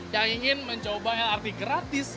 yang ingin mencoba lrt gratis